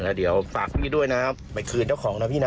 แล้วเดี๋ยวฝากพี่ด้วยนะครับไปคืนเจ้าของนะพี่นะ